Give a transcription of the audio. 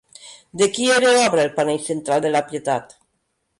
De qui era obra el panell central de la Pietat?